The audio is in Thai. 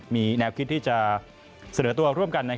มีแนวคิดที่จะเสนอตัวร่วมกัน